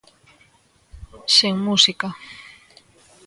Sen música.